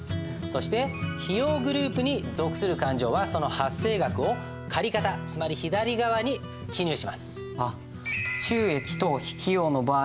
そして費用グループに属する勘定はその発生額を借方つまり左側に記入します。